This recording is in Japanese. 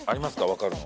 分かるの。